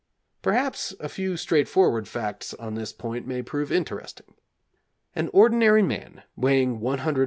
Perhaps a few straightforward facts on this point may prove interesting. An ordinary man, weighing 140 lbs.